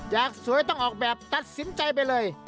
อยากสวยต้องออกแบบตัดสินใจไปเลย